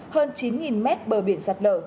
hơn chín mét bờ biển sạt lở